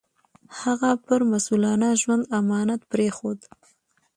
هغه پر مسوولانه ژوند امانت پرېښود.